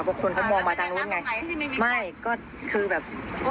คนเขามองมาทางนู้นไงไม่ก็คือแบบ